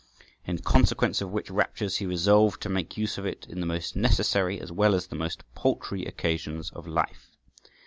In consequence of which raptures he resolved to make use of it in the most necessary as well as the most paltry occasions of life.